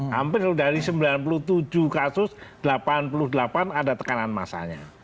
hampir dari sembilan puluh tujuh kasus delapan puluh delapan ada tekanan massanya